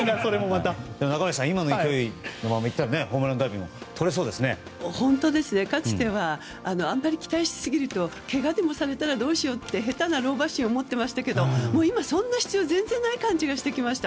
中林さん、今の勢いならホームランダービーかつてあんまり期待しすぎるとけがでもされたらどうしようって下手な老婆心を持っていましたけど今はそんな必要全然ない感じがしてきました。